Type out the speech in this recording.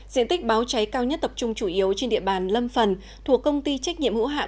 diện tích báo cháy cao nhất tập trung chủ yếu trên địa bàn lâm phần thuộc công ty trách nhiệm hữu hạn